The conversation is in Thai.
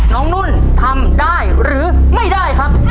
นุ่นทำได้หรือไม่ได้ครับ